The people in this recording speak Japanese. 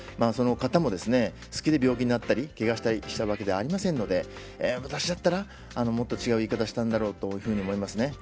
その方も、好きで病気になったりけがをしたわけではありませんので私だったらもっと違う言い方をしただろうと思います。